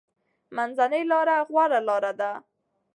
منځنۍ لاره غوره لاره ده.